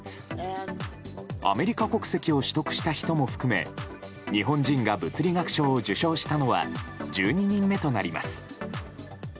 アメリカ国籍を取得した人も含め日本人が物理学賞を受賞したのは１２人目となります。